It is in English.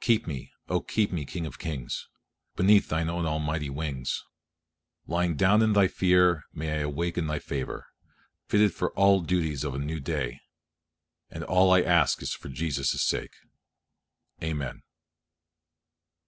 Keep me, O keep me, King of kings, beneath Thine own Almighty wings. Lying down in Thy fear may I awake in Thy favor, fitted for all the duties of a new day; and all I ask is for Jesus' sake. Amen.